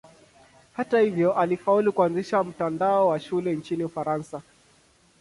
Hata hivyo alifaulu kuanzisha mtandao wa shule nchini Ufaransa.